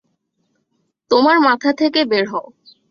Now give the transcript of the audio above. তোমার মাথা থেকে বের হও!